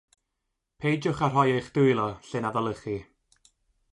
Peidiwch â rhoi eich dwylo lle na ddylech chi.